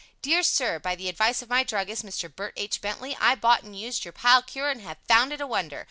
Dear Sir: By the advice of my druggist, Mr. Bert H. Bentley. I bought and used your Pile Cure and have found it a wonder.